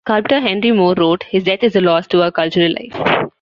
Sculptor Henry Moore wrote, His death is a loss to our cultural life.